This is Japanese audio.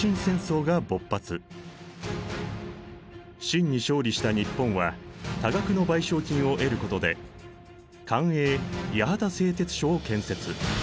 清に勝利した日本は多額の賠償金を得ることで官営八幡製鉄所を建設。